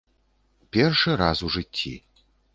Першы раз у жыцці.